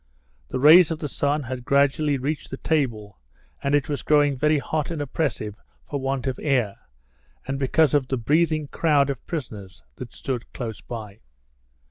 The rays of the sun had gradually reached the table, and it was growing very hot and oppressive for want of air and because of the breathing crowd of prisoners that stood close by.